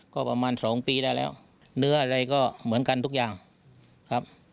ก็ประมาณ๒ปีได้แล้วเนื้ออะไรก็เหมือนกันทุกอย่างครับ